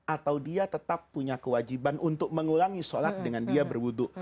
atau dia tetap punya kewajiban untuk mengulangi sholat dengan dia berwudhu